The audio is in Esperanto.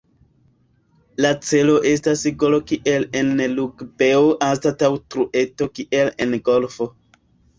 La celo estas golo kiel en rugbeo anstataŭ trueto kiel en golfo.